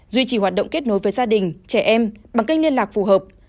duy trì hoạt động kết nối với gia đình trẻ em bằng kênh liên lạc phù hợp